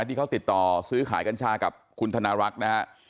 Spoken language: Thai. ที่เขาติดต่อซื้อข่ายกันชาติกับคุณธนรักนะครับ